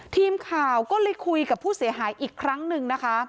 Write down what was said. ทีมข่าวก็เลยคุยกับผู้เสียหายอีกครั้งหนึ่งนะคะ